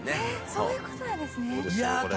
そういう事なんですね。